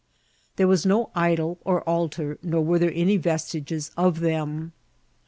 There was no idol or altar, nor were there any vestiges of them.